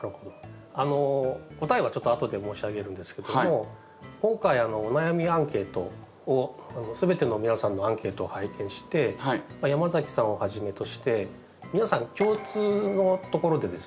あの答えはちょっと後で申し上げるんですけども今回お悩みアンケートを全ての皆さんのアンケートを拝見して山崎さんをはじめとして皆さん共通のところでですね